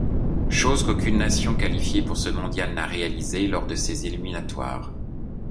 Chose qu'aucune nation qualifiée pour ce mondial n'a réalisé lors de ses éliminatoires.